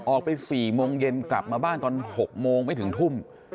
ออกไป๔โมงเย็นกลับมาบ้านตอน๖โมงไม่ถึงทุ่ม